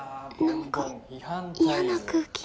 何か嫌な空気